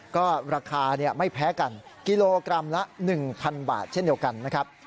ก็ราคาไม่แพ้กันกิโลกรัมละ๑๐๐บาทเช่นเดียวกันนะครับ